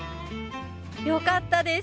良かったです。